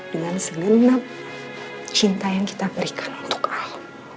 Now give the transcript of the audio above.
dengan segenap cinta yang kita berikan untuk air